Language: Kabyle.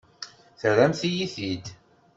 Terramt-iyi-t-id.